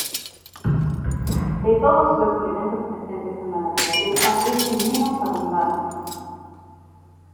De todos los elementos presentes en la naturaleza es el menos abundante.